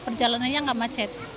perjalanannya nggak macet